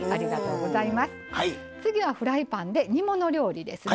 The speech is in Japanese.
次は、フライパンで煮物料理です。